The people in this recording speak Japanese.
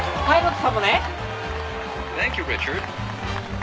はい。